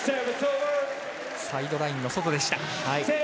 サイドラインの外でした。